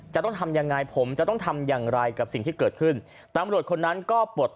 จะต้องทำยังไงผมจะต้องทำอย่างไรกับสิ่งที่เกิดขึ้นตำรวจคนนั้นก็ปลด